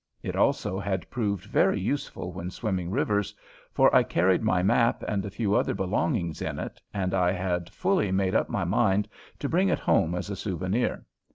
It also had proved very useful when swimming rivers, for I carried my map and a few other belongings in it, and I had fully made up my mind to bring it home as a souvenir.